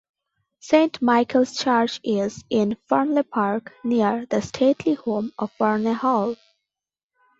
Saint Michael's church is in Farnley park near the stately home of Farnley Hall.